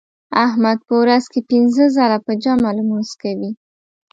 احمد په ورځ کې پینځه ځله په جمع لمونځ کوي.